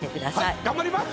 頑張ります。